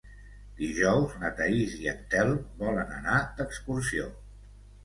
Dijous na Thaís i en Telm volen anar d'excursió.